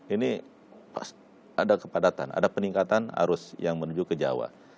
ini pas ada kepadatan ada peningkatan arus yang menuju ke jawa